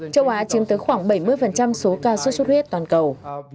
châu á chiếm tới khoảng bảy mươi số ca sốt xuất huyết toàn cầu